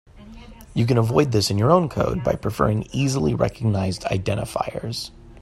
You can avoid this in your own code by preferring easily recognized identifiers.